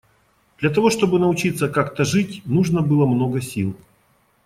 Для того чтобы научиться как-то жить, нужно было много сил.